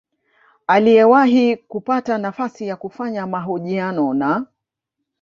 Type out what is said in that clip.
aliyewahi kupata nafasi ya kufanya mahojiano na